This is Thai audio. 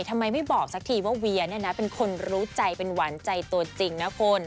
ทำไมไม่บอกสักทีว่าเวียเนี่ยนะเป็นคนรู้ใจเป็นหวานใจตัวจริงนะคุณ